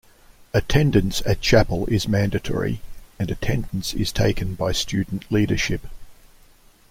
Attendance at Chapel is mandatory and attendance is taken by student leadership.